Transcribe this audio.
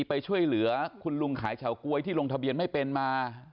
ไปช่วยเหลือคุณลุงขายเฉาก๊วยที่ลงทะเบียนไม่เป็นมา